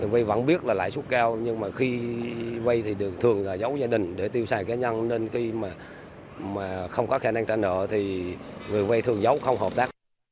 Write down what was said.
vây vẫn biết là lãi suất cao nhưng mà khi vay thì thường thường là giấu gia đình để tiêu xài cá nhân nên khi mà không có khả năng trả nợ thì người vay thường giấu không hợp tác